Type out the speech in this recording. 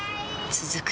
続く